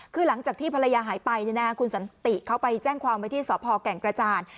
คือหลังจากที่ภรรยาหายไปคุณสันติเขาไปแจ้งความไว้ที่สพแก่งกระจาน